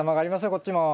こっちも。